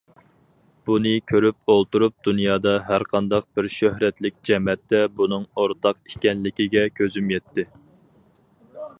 بۇنى كۆرۈپ ئولتۇرۇپ دۇنيادا ھەرقانداق بىر شۆھرەتلىك جەمەتتە بۇنىڭ ئورتاق ئىكەنلىكىگە كۆزۈم يەتتى.